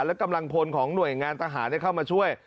และกำลังพลของหน่วยงานทหารเข้ามาช่วย